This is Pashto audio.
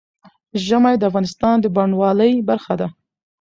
ژمی د افغانستان د بڼوالۍ برخه ده.